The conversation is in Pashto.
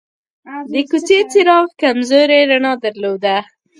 د کوڅې څراغ کمزورې رڼا درلوده.